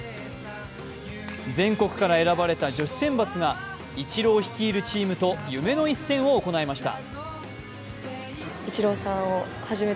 全国から選ばれた女子選抜がイチロー率いるチームと夢の一戦を行いました。